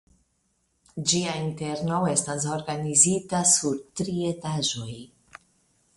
Ĝia interno estas organizita sur tri etaĝoj.